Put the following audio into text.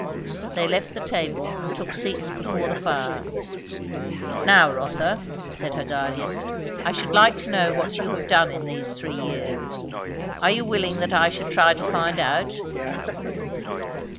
They left the table and took seats before the fire. "Now Rotha," said her guardian, "I should like to know what you have done in these three years. Are you willing that I should try to find out?"